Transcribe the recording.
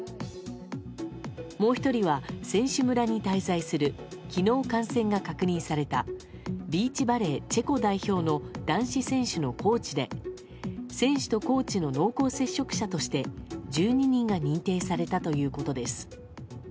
もう１人は、選手村に滞在する昨日感染が確認されたビーチバレーチェコ代表の男子選手のコーチで選手とコーチの濃厚接触者として１２人が認定されたということです。